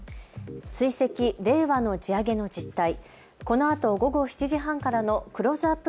追跡令和の地上げの実態、このあと午後７時半からのクローズアップ